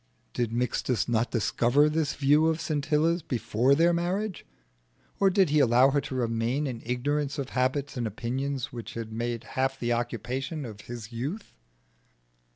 Did Mixtus not discover this view of Scintilla's before their marriage? Or did he allow her to remain in ignorance of habits and opinions which had made half the occupation of his youth?